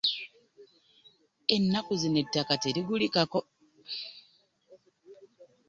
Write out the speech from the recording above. Ennaku zino ettaka terigulikako.